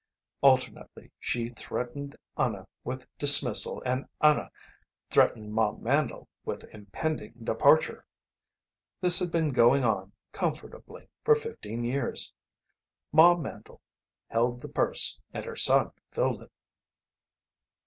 Alternately she threatened Anna with dismissal and Anna threatened Ma Mandle with impending departure. This had been going on, comfortably, for fifteen years. Ma Mandle held the purse and her son filled it.